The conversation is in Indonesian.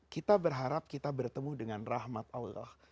kita berharap kita bertemu dengan rahmat allah